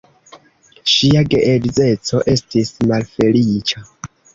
Ŝia geedzeco estis malfeliĉa.